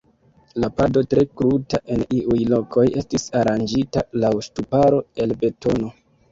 La pado, tre kruta en iuj lokoj, estis aranĝita laŭ ŝtuparo el betono.